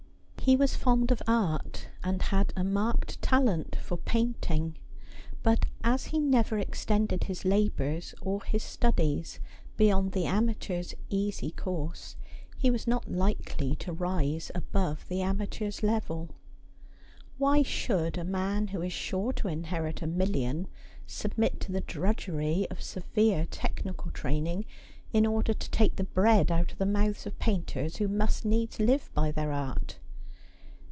He was fond of art, and had a marked talent for painting ; but as he never extended his labours or his studies beyond the amateur's easy course, he was not likely to rise above the ama teur's level. Why should a man who is sure to inherit a million submit to the drudgery of severe technical training in order to take the bread out of the mouths of painters who must needs live by their art